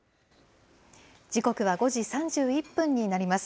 時刻は５時３１分になります。